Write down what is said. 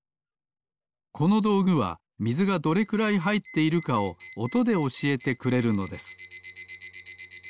このどうぐはみずがどれくらいはいっているかをおとでおしえてくれるのです。